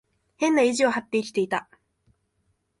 変な意地を張って生きていた。